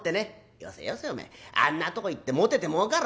「よせよせおめえあんなとこ行ってもてて儲かる？